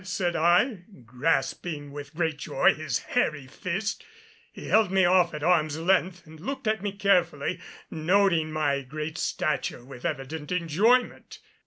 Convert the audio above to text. said I, grasping with great joy his hairy fist. He held me off at arm's length and looked at me carefully, noting my great stature with evident enjoyment.